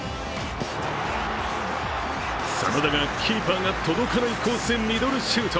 真田がキーパーが届かないコースへミドルシュート。